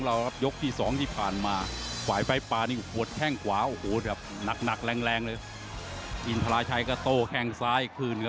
หมดยกที่๒เค็มข้นเลย